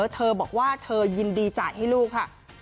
เธอบอกว่าเธอยินดีจ่ายให้ลูกค่ะ